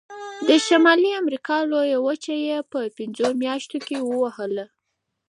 د شمالي امریکا لویه وچه یې په پنځو میاشتو کې ووهله.